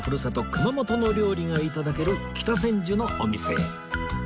熊本の料理が頂ける北千住のお店へ